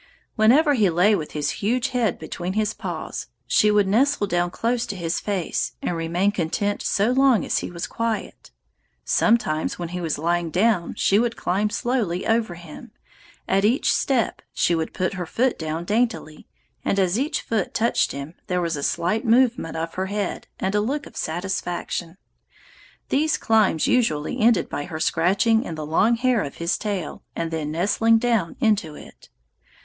Whenever he lay with his huge head between his paws, she would nestle down close to his face and remain content so long as he was quiet. Sometimes when he was lying down she would climb slowly over him; at each step she would put her foot down daintily, and as each foot touched him there was a slight movement of her head and a look of satisfaction. These climbs usually ended by her scratching in the long hair of his tail, and then nestling down into it.